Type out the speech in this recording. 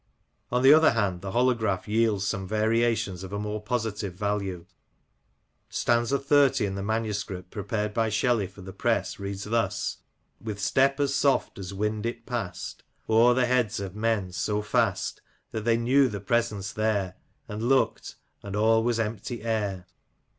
On the other hand, the holograph yields some variations of a more positive value. Stanza xxx. in the manuscript prepared by Shelley for the press reads thus :—With step as soft as wind it past * O'er the heads of men — so fast That they knew the presence there And looked, — and all was empty air."